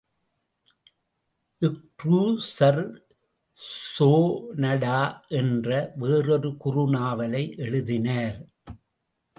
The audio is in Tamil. க்ரூசர் சோனடா என்ற வேறொரு குறு நாவலை எழுதினார்.